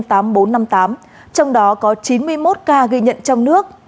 trong đó có chín mươi một ca ghi nhận trong nước